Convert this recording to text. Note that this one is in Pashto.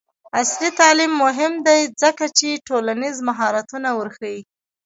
عصري تعلیم مهم دی ځکه چې ټولنیز مهارتونه ورښيي.